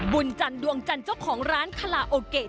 บุญจันทร์ดวงจันทร์เจ้าของร้านคาลาโอเกะ